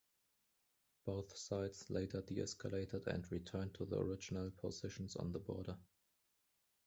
Both sides later deescalated and returned to the original positions on the border.